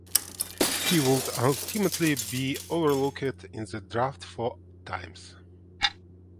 He would ultimately be overlooked in the draft four times.